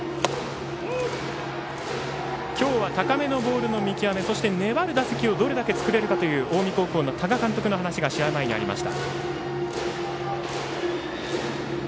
今日は高めのボールの見極めそして、粘る打席をどれだけ作れるかという近江高校の多賀監督の話が試合前にありました。